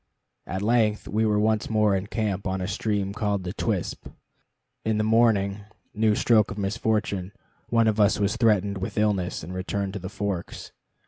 At length we were once more in camp on a stream named the Twispt. In the morning new stroke of misfortune one of us was threatened with illness, and returned to the Forks.